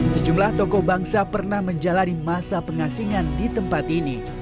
sejumlah tokoh bangsa pernah menjalani masa pengasingan di tempat ini